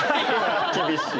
厳しい。